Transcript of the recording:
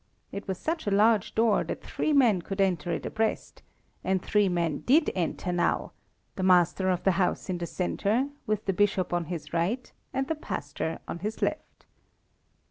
It was such a large door that three men could enter it abreast; and three men did enter now, the master of the house in the centre, with the bishop on his right and the pastor on his left.